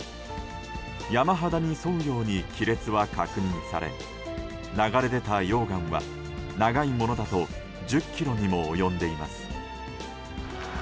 山肌に沿うように亀裂は確認され流れ出た溶岩は長いものだと１０ｋｍにも及んでいます。